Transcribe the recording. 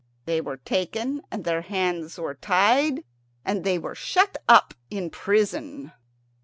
They were taken, and their hands were tied, and they were shut up in prison.